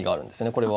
これは。